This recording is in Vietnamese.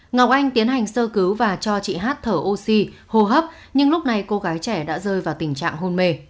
ngọc anh tiến hành sơ cứu và cho chị hát thở oxy hô hấp nhưng lúc này cô gái trẻ đã rơi vào tình trạng hôn mê